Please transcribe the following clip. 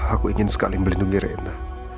aku ingin sekali melindungi rena